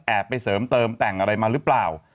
ไปเสริมเติมแต่งอะไรมาหรือเปล่า